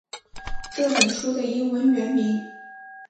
这本书的英文原名